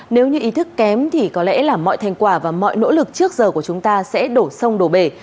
nếu như ý thức kém thì có lẽ là mọi thành quả và mọi nỗ lực trước giờ của chúng ta sẽ đổ sông đổ bể